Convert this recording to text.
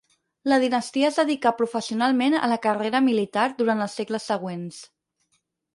La dinastia es dedicà professionalment a la carrera militar durant els segles següents.